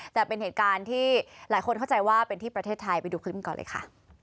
แต่เป็นเหตุการณ์ที่หลายคนเข้าใจว่าเป็นที่ประเทศไทยไปดูคลิปกันก่อนเลยค่ะ